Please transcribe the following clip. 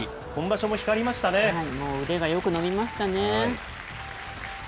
もう腕がよく伸びましたね。